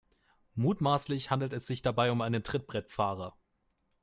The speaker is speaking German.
Mutmaßlich handelt es sich dabei um einen Trittbrettfahrer.